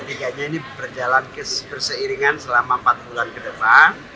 dan ketiga tiganya ini berjalan berseiringan selama empat bulan ke depan